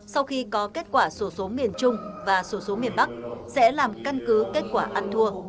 sau khi có kết quả số số miền trung và số số miền bắc sẽ làm căn cứ kết quả ăn thua